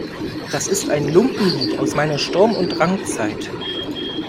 Das ist ein Lumpenlied aus meiner Sturm- und Drangzeit.